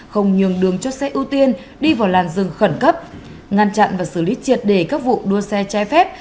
không nhường đường cho xe ưu tiên đi vào làn rừng khẩn cấp ngăn chặn và xử lý triệt đề các vụ đua xe trái phép